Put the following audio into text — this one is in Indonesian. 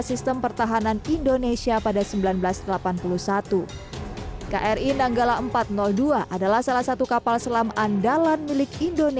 sistem pertahanan indonesia pada seribu sembilan ratus delapan puluh satu kri nanggala empat ratus dua adalah salah satu kapal selam andalan milik